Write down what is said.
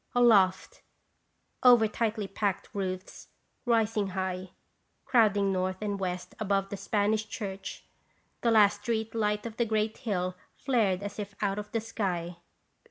Aloft over tightly packed roofs, rising high, crowding north and west above the Spanish church the last street light of the great hill flared as if out of the sky.